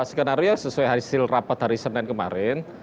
skenario sesuai hasil rapat hari senin kemarin